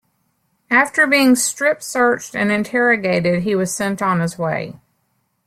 After being strip-searched and interrogated he was sent on his way.